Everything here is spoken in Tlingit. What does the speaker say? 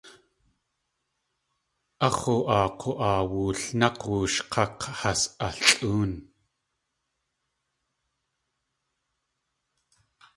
A x̲oo aa k̲u.oo woolnáx̲ wooshk̲ák̲ has alʼóon.